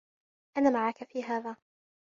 أنا معك في هذا.